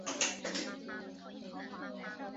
经费来源为财政补助收入和事业收入。